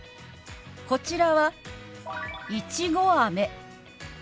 こちらは「いちごあめ」。